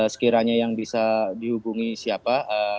sekiranya yang bisa dihubungi siapa